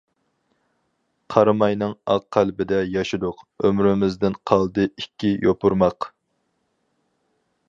قارىماينىڭ ئاق قەلبىدە ياشىدۇق، ئۆمرىمىزدىن قالدى ئىككى يوپۇرماق.